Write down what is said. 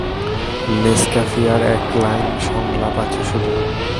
নেসক্যাফিয়ারের এক লাইন সংলাপ আছে শুধু।